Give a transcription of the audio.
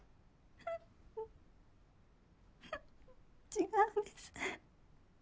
違うんです。